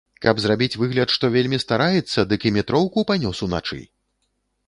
Каб зрабіць выгляд, што вельмі стараецца, дык і метроўку панёс уначы?